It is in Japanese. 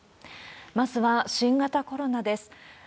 まずは新型コロナです。